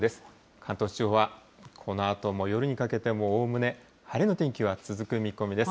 関東地方は、このあとも夜にかけてもおおむね、晴れの天気は続く見込みです。